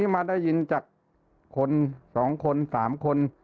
มาได้ยินจากคน๒คน๓คน